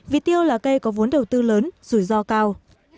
việt tiêu là cây có vốn đầu tư lớn rủi ro cao